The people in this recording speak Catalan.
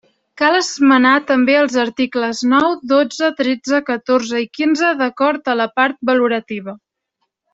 Cal esmenar també els articles nou, dotze, tretze, catorze i quinze d'acord a la part valorativa.